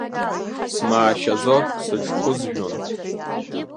Смаашьаӡо сыҽхәызжәон.